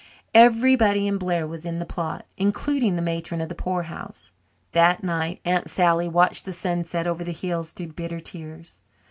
Everybody in Blair was in the plot, including the matron of the poorhouse. That night Aunt Sally watched the sunset over the hills through bitter tears.